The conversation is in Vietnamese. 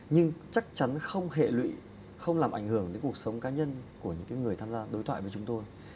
nhưng chắc chắn không hệ lụy không làm ảnh hưởng đến cuộc sống cá nhân của những người tham gia đối thoại với chúng tôi